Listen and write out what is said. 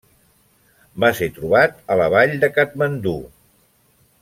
Va ser trobat a la vall de Katmandú.